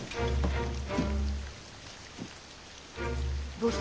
どうした？